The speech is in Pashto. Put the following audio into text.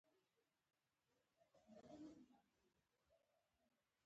نن سبا د ودریدو نه دی.